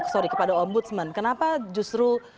sorry kepada ombudsman kenapa justru